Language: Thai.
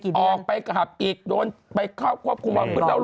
ลูกออกไปขับอีกโดนไปเข้าควบคุมพลังพื้นแล้ว